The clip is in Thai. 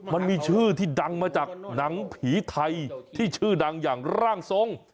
มันมีชื่อที่ดังมาจากหนังผีไทยที่ชื่อดังอย่างร่างทรง